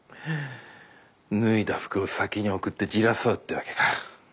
脱いだ服を先に送ってじらそうってわけか。